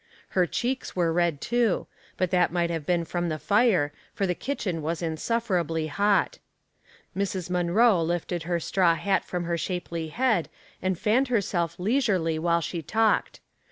Her cheeks were red, too, but that might have been from the fire, for the kitchen was insufferably hot. Mrs. Munroe lifted her straw hat from her shapely head and fanned herself leisurely while she talked.